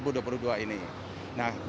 nah dalam perlaksanaan ini kami akan berupaya